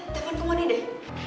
telepon ke moni deh